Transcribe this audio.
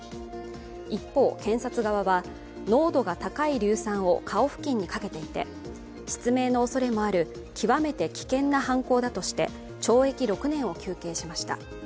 一方、検察側は濃度が高い硫酸を顔付近にかけていて失明のおそれもある極めて危険な犯行だとして懲役６年を求刑しました。